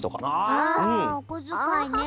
あおこづかいね。